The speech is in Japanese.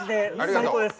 最高です。